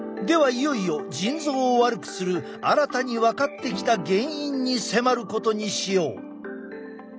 いよいよ腎臓を悪くする新たに分かってきた原因に迫ることにしよう。